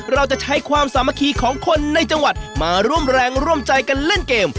เราจะใช้ความสามัคคีของคนในจังหวัดมาร่วมแรงร่วมใจกันเล่นเกม